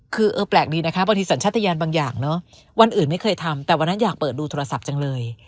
คือเออแปลกดีนะคะบางทีสัญชาติยานบางอย่างเนอะวันอื่นไม่เคยทำแต่วันนั้นอยากเปิดดูโทรศัพท์จังเลย